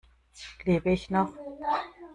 Lebe ich noch?